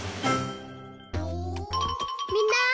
みんな！